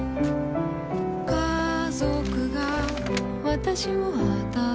家族が私をあたためる。